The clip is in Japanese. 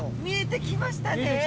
見えてきましたね。